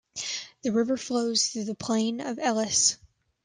The river flows through the plain of Elis.